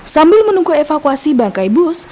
sambil menunggu evakuasi bangkai bus